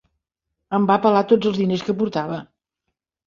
Em van pelar tots els diners que portava.